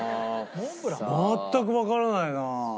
全くわからないな。